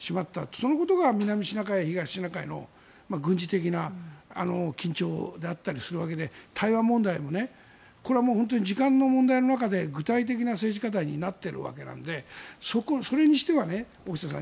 そのことが南シナ海、東シナ海の軍事的な緊張だったりするわけで台湾問題もこれはもう本当に時間の問題の中で具体的な政治課題になっているわけでそれにしては大下さん